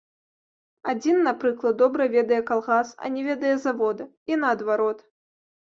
Адзін, напрыклад, добра ведае калгас, а не ведае завода, і наадварот.